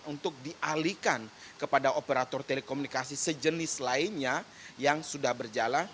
untuk dialihkan kepada operator telekomunikasi sejenis lainnya yang sudah berjalan